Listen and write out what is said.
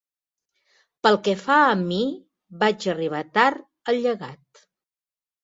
Pel que fa a mi, vaig arribar tard al llegat.